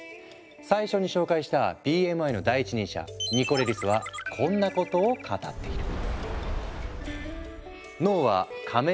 最初に紹介したＢＭＩの第一人者ニコレリスはこんなことを語っている。